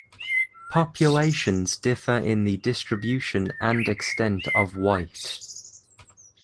Populations differ in the distribution and extent of white.